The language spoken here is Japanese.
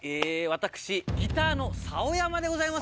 ギターの竿山でございます